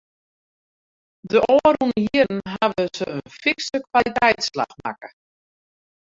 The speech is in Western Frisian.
De ôfrûne jierren hawwe se in fikse kwaliteitsslach makke.